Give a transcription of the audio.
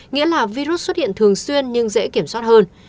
nghĩa là virus xuất hiện thường xuyên nhưng dễ kiểm soát hơn